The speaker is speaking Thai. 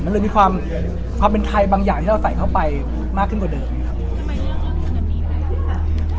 มันเลยมีความความเป็นไทยบางอย่างที่เราใส่เข้าไปมากขึ้นกว่าเดิมนะครับ